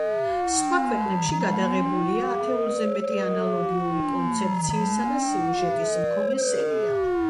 სხვა ქვეყნებში გადაღებულია ათეულზე მეტი ანალოგიური კონცეფციის და სიუჟეტის მქონე სერიალი.